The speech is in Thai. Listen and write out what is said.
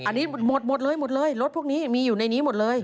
อันนี้หมดหมดเลยหมดเลยรถพวกนี้มีอยู่ในนี้หมดเลย